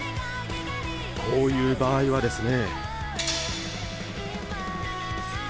こういう場合はですね。